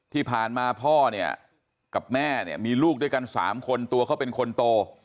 ที่ผ่านมาพ่อเนี่ยกับแม่เนี่ยมีลูกด้วยกัน๓คนตัวเขาเป็นคนโต